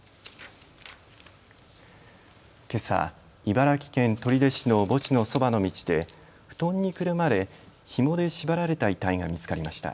けさ、茨城県取手市の墓地のそばの道で布団にくるまれ、ひもで縛られた遺体が見つかりました。